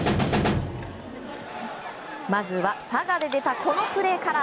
まずは佐賀で出たこのプレーから。